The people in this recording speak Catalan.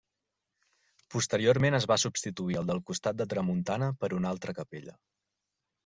Posteriorment es va substituir el del costat de tramuntana per una altra capella.